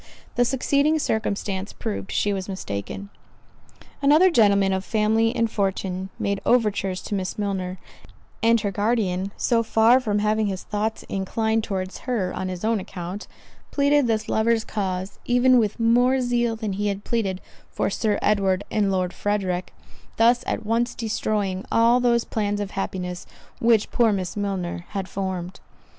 The succeeding circumstance proved she was mistaken. Another gentleman of family and fortune made overtures to Miss Milner; and her guardian, so far from having his thoughts inclined towards her on his own account, pleaded this lover's cause even with more zeal than he had pleaded for Sir Edward and Lord Frederick; thus at once destroying all those plans of happiness which poor Miss Milner had formed.